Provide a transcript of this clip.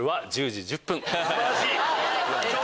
素晴らしい。